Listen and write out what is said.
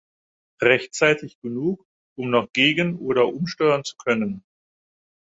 Rechtzeitig genug, um noch gegenoder umsteuern zu können.